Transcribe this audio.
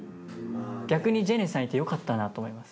逆にジェネさんいてよかったなと思います。